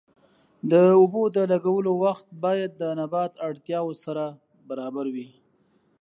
د اوبو د لګولو وخت باید د نبات اړتیاوو سره برابر وي.